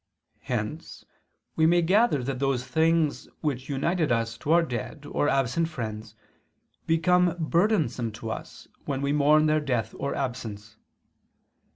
Hence we may gather that those things which united us to our dead or absent friends, become burdensome to us when we mourn their death or absence.